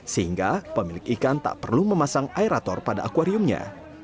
sehingga pemilik ikan tak perlu memasang aerator pada akwariumnya